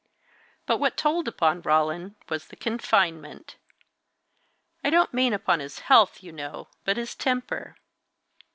But what told upon Roland was the confinement I don't mean upon his health, you know, but his temper.